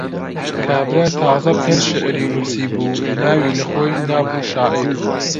کابرا تازە پێنج شیعری نووسی بوو، ناوی لەخۆی نابوو شاعیر.